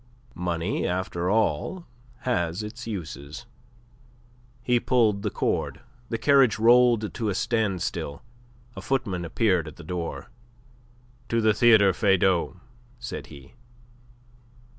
Money, after all, has its uses. He pulled the cord. The carriage rolled to a standstill; a footman appeared at the door. "To the Theatre Feydau," said he.